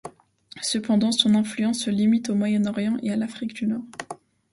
Cependant son influence se limite au Moyen-Orient et à l'Afrique du Nord.